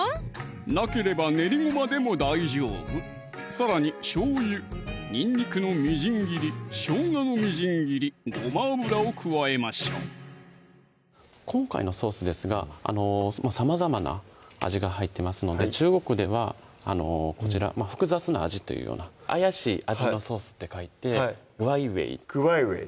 なければ練りごまでも大丈夫さらにしょうゆ・にんにくのみじん切り・しょうがのみじん切り・ごま油を加えましょう今回のソースですがさまざまな味が入ってますので中国では複雑な味というような怪しい味のソースって書いてグワイウェイグワイウェイ